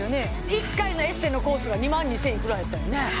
１回のエステのコースが２万２千いくらやったよね